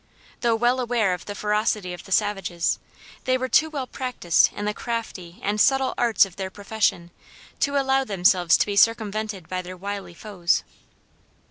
Though well aware of the ferocity of the savages, they were too well practiced in the crafty and subtle arts of their profession to allow themselves to be circumvented by their wily foes.